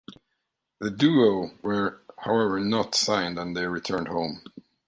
The duo were however not signed and they returned home.